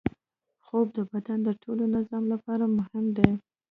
خوب د بدن د ټول نظام لپاره مهم دی